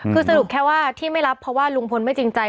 คือสรุปแค่ว่าที่ไม่รับเพราะว่าลุงพลไม่จริงใจ